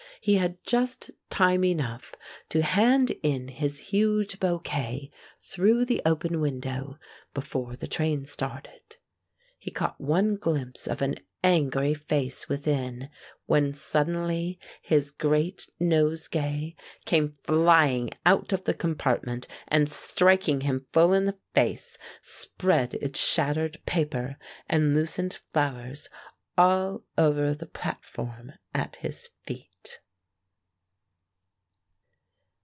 He had just time enough to hand in his huge bouquet through the open window before the train started. He caught one glimpse of an angry face within, when suddenly his great nosegay came flying out of the compartment, and striking him full in the face, spread its shattered paper and loosened flowers all over the platform at his feet.